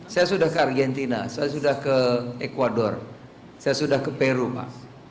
saya sudah ke argentina saya sudah ke ecuador saya sudah ke peru pak